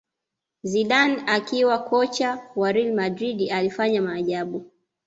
zidane akiwa kocha wa Real Madrid alifanya maajabu